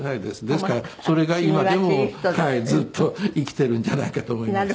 ですからそれが今でもずっと生きているんじゃないかと思います。